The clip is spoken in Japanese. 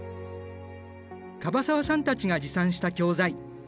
椛沢さんたちが持参した教材。